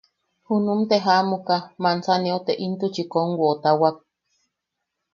Junum te jaʼamuka, Manzaniau te intuchi kom woʼotawak.